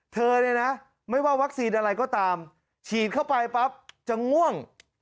เธอเนี่ยนะไม่ว่าวัคซีนอะไรก็ตามฉีดเข้าไปปั๊บจะง่วง